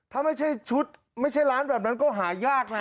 ถ้าไม่ใช่ชุดไม่ใช่ร้านแบบนั้นก็หายากนะ